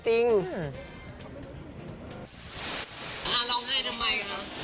อ่านร้องไห้ทำไม